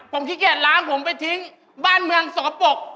ผมขี้เกียจล้างผมไปทิ้งบ้านเมืองสปก